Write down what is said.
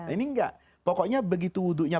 ini enggak pokoknya begitu wudhunya